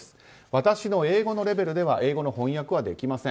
私の英語のレベルでは英語の翻訳はできません。